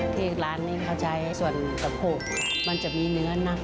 ที่ร้านนี้เขาใช้ส่วนกระโพกค่ะมันจะมีเนื้อนัก